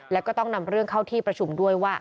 แล้วก็ต้องนำเรื่องเข้าที่ประชุมด้วยว่า